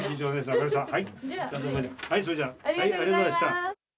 それじゃあ、ありがとうございました。